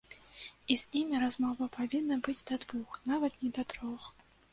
І з імі размова павінна быць да двух, нават не да трох.